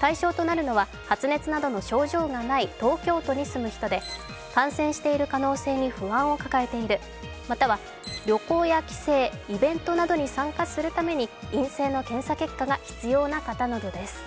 対象となるのは発熱などの症状のない東京都に住む人で感染している可能性に不安を抱えている、または旅行や帰省、イベントなどに参加するために陰性の検査結果が必要な方などです。